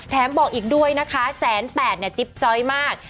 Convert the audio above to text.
แถมบอกอีกด้วยนะคะแสน๘แสนจิ๊บจอยมาก